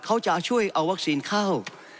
เขาจะช่วยเอาวัคซีนเข้า